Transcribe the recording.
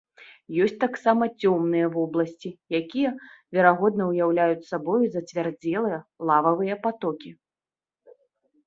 Ёсць таксама цёмныя вобласці, якія, верагодна, уяўляюць сабою зацвярдзелыя лававыя патокі.